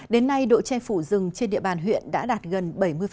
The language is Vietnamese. đến nay độ che phủ rừng trên địa bàn huyện đã đạt gần bảy mươi